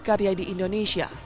karya di indonesia